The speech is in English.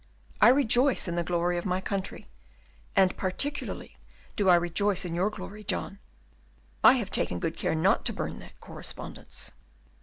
I rejoice in the glory of my country; and particularly do I rejoice in your glory, John. I have taken good care not to burn that correspondence."